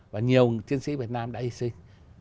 và nhiều chiến sĩ việt nam đã y sinh